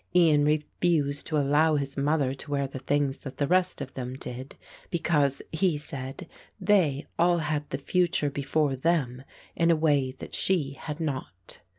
Ian refused to allow his mother to wear the things that the rest of them did, because, he said, they all had the future before them in a way that she had not.